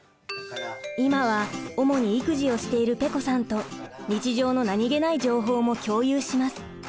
今は主に育児をしているぺこさんと日常の何気ない情報も共有します。